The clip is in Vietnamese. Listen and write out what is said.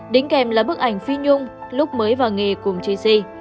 đính kèm là bức ảnh phi nhung lúc mới vào nghề cùng chi si